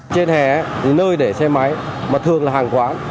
trên hè thì nơi để xe máy mà thường là hàng quán